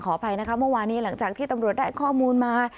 อภัยนะคะเมื่อวานี้หลังจากที่ตำรวจได้ข้อมูลมา